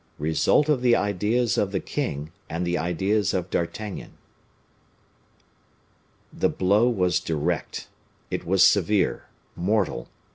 Result of the Ideas of the King, and the Ideas of D'Artagnan. The blow was direct. It was severe, mortal.